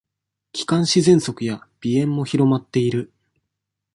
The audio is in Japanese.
気管支ぜんそくや鼻炎も広まっている。